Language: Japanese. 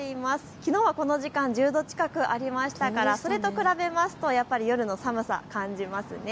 きのうはこの時間、１０度近くありましたからそれと比べますと夜の寒さ感じますね。